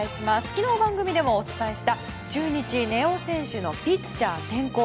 昨日、番組でもお伝えした中日、根尾選手のピッチャー転向。